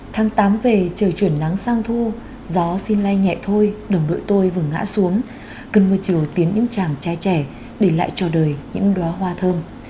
tháng tám về trời chuyển nắng sang thu gió xin lây nhẹ thôi đồng đội tôi vừa ngã xuống cần một chiều tiến những chàng trai trẻ để lại cho đời những đoá hoa thơm